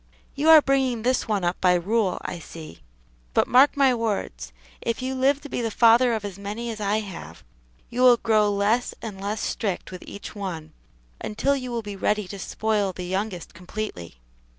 You are bringing this one up by rule, I see; but mark my words: if you live to be the father of as many as I have, you will grow less and less strict with each one, until you will be ready to spoil the youngest completely."